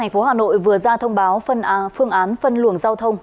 phương án phân luồng giao thông